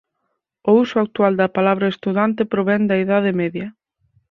O uso actual da palabra estudante provén da Idade Media.